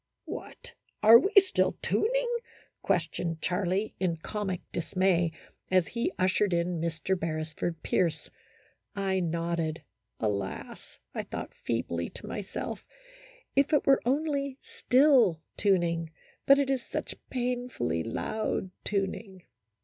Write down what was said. " What ! are we still tuning ?" questioned Charlie, in comic dismay, as he ushered in Mr. Beresford Pierce. I nodded. Alas ! I thought feebly to my self, if it were only " still " tuning ; but it is such painfully loud tuning.